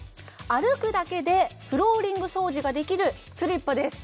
歩くだけでフローリング掃除ができるスリッパです